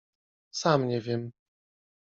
Sam nie wiem.